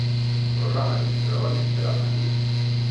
Programa el microones per al matí.